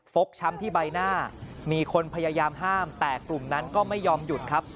กช้ำที่ใบหน้ามีคนพยายามห้ามแต่กลุ่มนั้นก็ไม่ยอมหยุดครับ